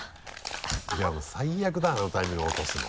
いやもう最悪だあのタイミングで落とすの。